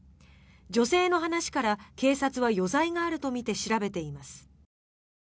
女性の話から、警察は余罪があるとみて調べています。